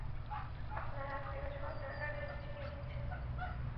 আপনার আত্মীয়-স্বজনরা নিশ্চয়ই এসেছেন।